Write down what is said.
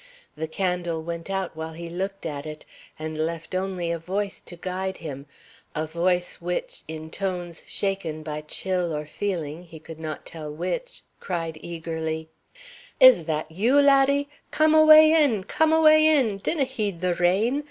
The candle went out while he looked at it, and left only a voice to guide him a voice which, in tones shaken by chill or feeling, he could not tell which, cried eagerly: "Is that you, laddie? Come awa in. Come awa in. Dinna heed the rain.